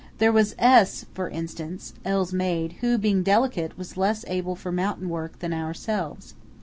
There was S––, for instance (L.'s maid), who, being delicate, was less able for mountain work than ourselves.